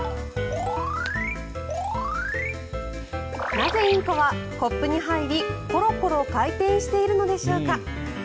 なぜインコはコップに入りコロコロ回転しているのでしょうか。